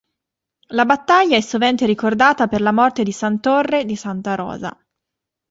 La battaglia è sovente ricordata per la morte di Santorre di Santa Rosa.